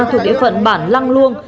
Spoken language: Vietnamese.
thuộc địa phận bản lăng luông